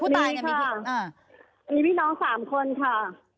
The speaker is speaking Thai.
มีค่ะมีพี่น้อง๓คนค่ะคนสุดท้องค่ะผู้ตายเนี่ยมี